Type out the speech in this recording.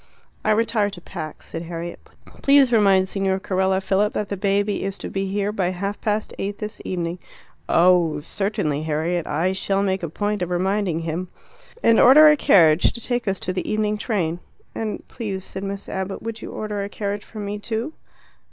"I retire to pack," said Harriet. "Please remind Signor Carella, Philip, that the baby is to be here by half past eight this evening." "Oh, certainly, Harriet. I shall make a point of reminding him." "And order a carriage to take us to the evening train." "And please," said Miss Abbott, "would you order a carriage for me too?"